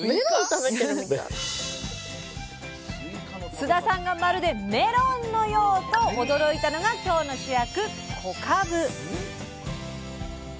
須田さんが「まるでメロンのよう！」と驚いたのが今日の主役